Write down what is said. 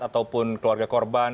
atau keluarga korban